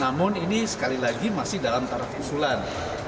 namun ini sekali lagi masih dalam taraf usulan